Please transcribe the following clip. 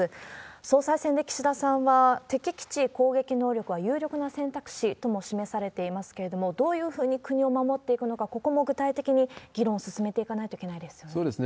総裁選で岸田さんは、敵基地攻撃能力は有力な選択肢とも示されていますけれども、どういうふうに国を守っていくのか、ここも具体的に議論を進めていかないといけないですね。